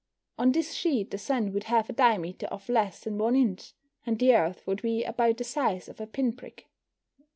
On this sheet the Sun would have a diameter of less than 1 inch, and the Earth would be about the size of a pin prick.